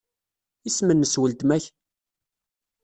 Isem-nnes weltma-k?